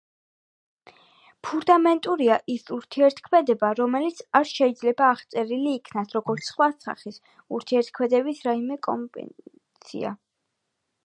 ფუნდამენტურია ის ურთიერთქმედება, რომელიც არ შეიძლება აღწერილი იქნას როგორც სხვა სახის ურთიერთქმედებების რაიმე კომბინაცია.